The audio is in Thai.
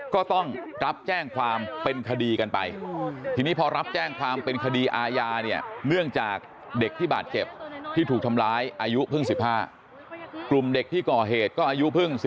ก็ต้องรับแจ้งความเป็นคดีกันไปทีนี้พอรับแจ้งความเป็นคดีอายาเนี่ย